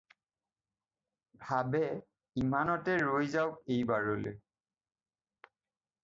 ভাবে ইমানতে ৰৈ যাওক এইবাৰলৈ।